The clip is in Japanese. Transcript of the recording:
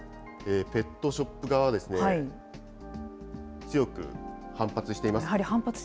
ペットショップ側は強く反発しています。